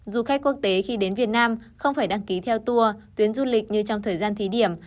du khách quốc tế khi đến việt nam không phải đăng ký theo tour tuyến du lịch như trong thời gian thí điểm